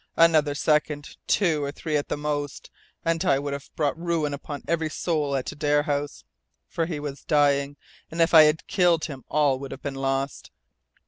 Another second two or three at the most and I would have brought ruin upon every soul at Adare House. For he was dying. And if I had killed him all would have been lost!"